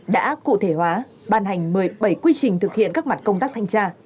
đã cụ thể hóa ban hành một mươi bảy quy trình thực hiện các mặt công tác thanh tra